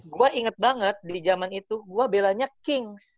gue inget banget di zaman itu gue belanya kings